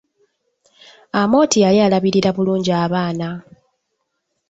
Amooti yali alabirira bulungi abaana.